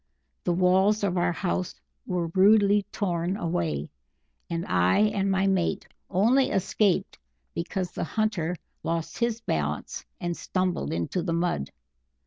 The walls of our house were rudely torn away, and I and my mate only escaped because the hunter lost his balance and stumbled into the mud.